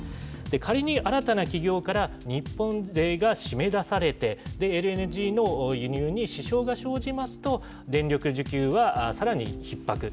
仮に新たな企業から日本勢が締め出されて、ＬＮＧの輸入に支障が生じますと、電力需給はさらにひっ迫。